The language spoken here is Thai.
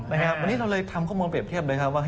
วันนี้เราเลยทำข้อมูลเปรียบเทียบเลยครับว่า